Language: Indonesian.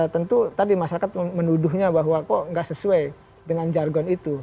tentu tadi masyarakat menuduhnya bahwa kok nggak sesuai dengan jargon itu